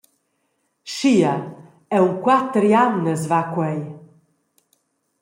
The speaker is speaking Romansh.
Schia, aunc quater jamnas va quei.